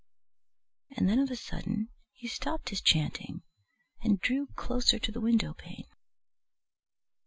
And then of a sudden he stopped his chanting and drew closer to the window pane.